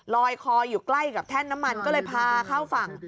ลอยคออยู่ใกล้กับแท่นน้ำมันก็เลยพาเข้าฝั่ง